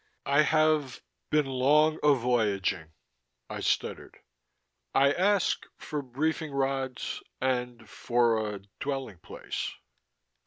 "I have ... been long a voyaging," I stuttered. "I ask ... for briefing rods ... and for a ... dwelling place."